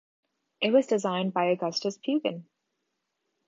It was designed by Augustus Pugin.